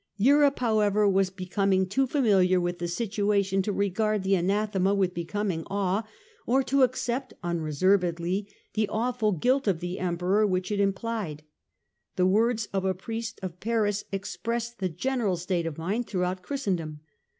Europe, however, was becoming too familiar with the situation to regard the anathema with becoming awe, or to accept unreservedly the awful guilt of the Emperor which it implied. The words of a priest of Paris expressed the general state of mind throughout Christendom.